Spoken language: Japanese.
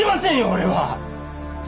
俺は！